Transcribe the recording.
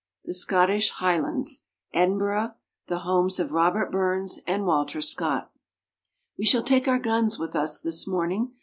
THE SCOTTISH HIGHLANDS— EDINBURGH — THE HOMES OF ROBERT BURNS AND WALTER SCOTT. WE shall take our guns with us this morning.